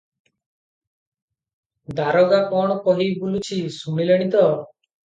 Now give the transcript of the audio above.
ଦାରୋଗା କଣ କହି ବୁଲୁଚି, ଶୁଣିଲେଣି ତ?